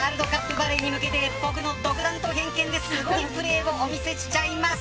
バレーに向けて僕の独断と偏見ですごいプレーをお見せしちゃいます。